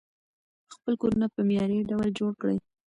خپل کورونه په معیاري ډول جوړ کړئ.